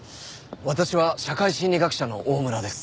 私は社会心理学者の大村です。